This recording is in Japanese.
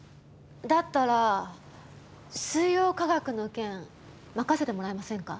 だったらスイヨウカガクの件任せてもらえませんか？